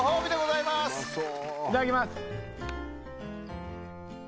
いただきます。